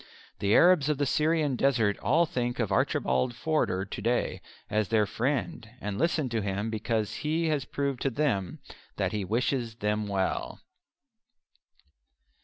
The Arabs of the Syrian Desert all think of Archibald Forder to day as their friend and listen to him because he has proved to them that he wishes them well.